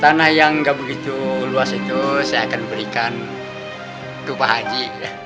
tanah yang nggak begitu luas itu saya akan berikan dupa haji